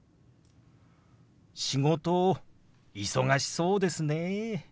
「仕事忙しそうですね」。